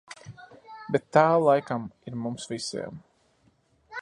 Bet tā laikam ir mums visiem.